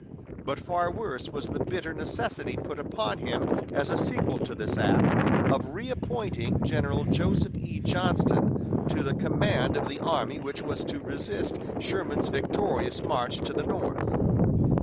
But far worse was the bitter necessity put upon him as a sequel to this act, of reappointing General Joseph E. Johnston to the command of the army which was to resist Sherman's victorious march to the north.